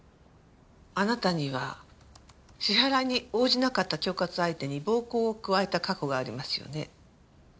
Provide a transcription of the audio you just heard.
あなたには支払いに応じなかった恐喝相手に暴行を加えた過去がありますよね。